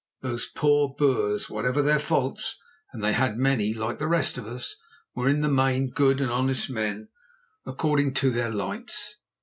Those poor Boers, whatever their faults, and they had many, like the rest of us, were in the main good and honest men according to their lights.